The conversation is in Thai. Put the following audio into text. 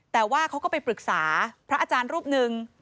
แต่ว่าเขาก็ไปปรึกษาพระอาจารย์รูปหนึ่ง